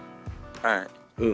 はい。